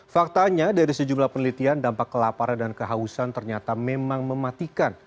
faktanya dari sejumlah penelitian dampak kelaparan dan kehausan ternyata memang mematikan